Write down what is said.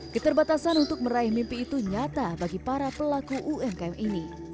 keterbatasan untuk meraih mimpi itu nyata bagi para pelaku umkm ini